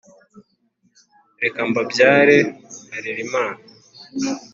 reka mbabyare harerimana,